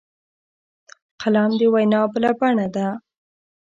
قلم د وینا بله بڼه ده